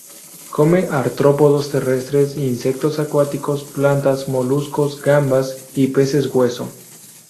Come artrópodos terrestres, insectos acuáticos, plantas, moluscos, gambas y peces hueso.